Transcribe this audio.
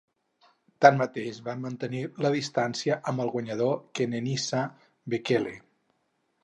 Tanmateix, va mantenir la distància amb el guanyador Kenenisa Bekele.